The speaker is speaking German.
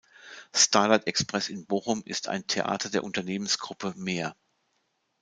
Starlight Express in Bochum ist ein Theater der Unternehmensgruppe Mehr!